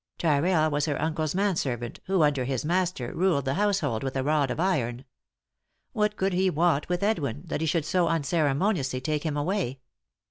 Tyrrell was her uncle's man servant, who, under his master, ruled the household with a rod of iron. What could he want with Edwin, that he should so unceremoniously take him away